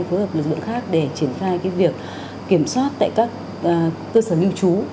phối hợp lực lượng khác để triển khai việc kiểm soát tại các cơ sở lưu trú